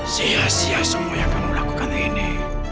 sia sia semua yang kamu lakukan ini